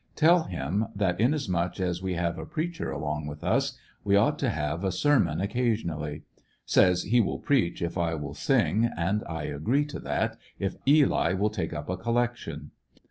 Tell him that inas much as we have a preacher along with us, we ought to have a ser mon occasionally. Says he will preach if I will sing, and I agree to that if Eli will take up a collection.